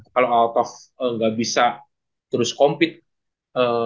kalau althoff gak bisa terus compete